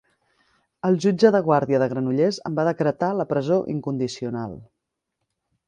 El jutge de guàrdia de Granollers en va decretar la presó incondicional.